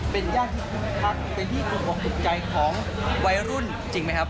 เป็นย่างที่คุณพักเป็นที่คุณพบถูกใจของวัยรุ่นจริงไหมครับ